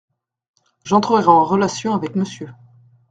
J’entrerai en relation avec M.